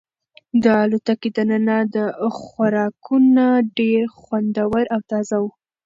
د الوتکې دننه خوراکونه ډېر خوندور او تازه وو.